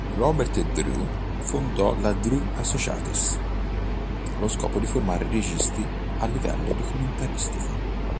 Robert Drew fondò la Drew Associates allo scopo di formare registi a livello documentaristico.